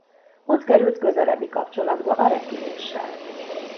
Ott került közelebbi kapcsolatba a repüléssel.